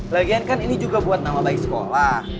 lagian kan ini juga buat nama baik sekolah